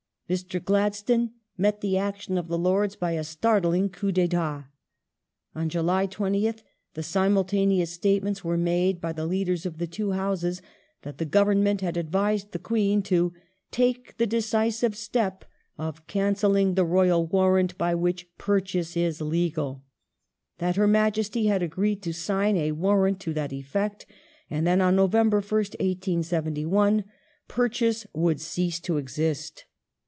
Mr. Gladstone met the action of the Lords by a startling coup The Royal ddtat. On July 20th simultaneous statements were made by the ^^"^"^ Leadei s of the two Houses that the Government had advised the 20th, 1871 Queen to " take the decisive step of cancelhng the Royal Warrant by which purchase is legal" ; that her Majesty had agreed to sign a warrant to that effect, and that on November 1st, 1871, '' purchase " would cease to exist.